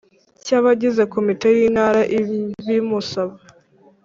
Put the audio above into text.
Cy abagize komite y intara ibimusaba